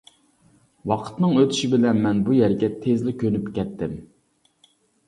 ۋاقىتنىڭ ئۆتىشى بىلەن مەن بۇ يەرگە تىزلا كۆنۈپ كەتتىم.